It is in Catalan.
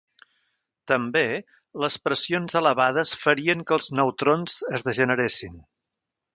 També, les pressions elevades farien que els neutrons es degeneressin.